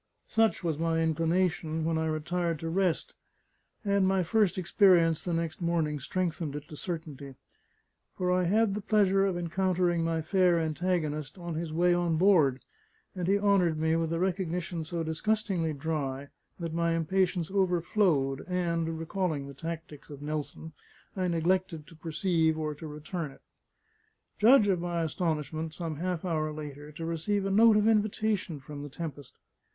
Such was my inclination, when I retired to rest; and my first experience the next morning strengthened it to certainty. For I had the pleasure of encountering my fair antagonist on his way on board; and he honoured me with a recognition so disgustingly dry, that my impatience overflowed, and (recalling the tactics of Nelson) I neglected to perceive or to return it. Judge of my astonishment, some half hour later, to receive a note of invitation from the Tempest.